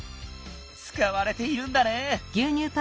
つかわれているんだね。